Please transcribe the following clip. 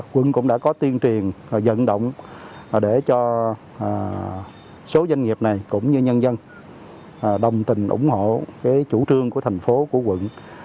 quận cũng đã có tuyên truyền dẫn động để cho số doanh nghiệp này cũng như nhân dân đồng tình ủng hộ chủ trương của thành phố quận